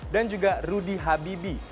dan juga rudy habibi